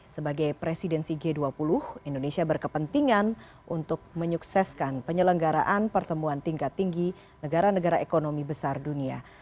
sebagai presidensi g dua puluh indonesia berkepentingan untuk menyukseskan penyelenggaraan pertemuan tingkat tinggi negara negara ekonomi besar dunia